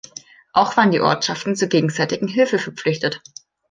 Auch waren die Ortschaften zur gegenseitigen Hilfe verpflichtet.